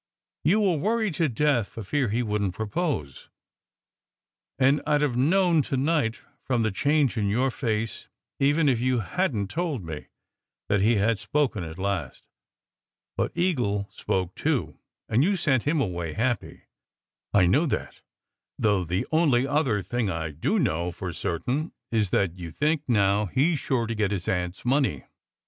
You were worried to death for fear he wouldn t propose, and I d have known to night, from the change in your face, even if you hadn t told me, that he had spoken at last. But Eagle spoke, too, and you sent him away happy. I know that; though the only other thing I do know for certain, is that you think now he s sure to get his aunt s money."